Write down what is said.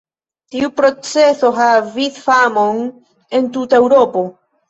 Tiu proceso havis famon en tuta Eŭropo.